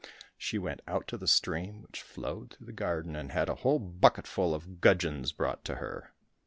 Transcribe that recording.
She went out to the stream which flowed through the garden, and had a whole bucketful of gudgeons brought to her.